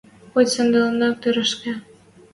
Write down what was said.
Хоть сӓндӓлӹк тӹрӹшкӹ!»